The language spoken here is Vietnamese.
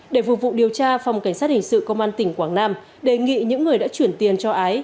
để phục vụ điều tra phòng cảnh sát hình sự công an tỉnh quảng nam đề nghị những người đã chuyển tiền cho ái